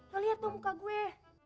lo liat tuh muka gue